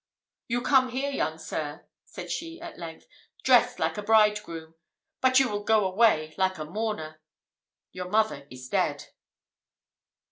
"You come here, young sir," said she at length, "dressed like a bridegroom; but you will go away like a mourner. Your mother is dead."